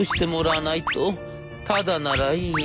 タダならいいよ。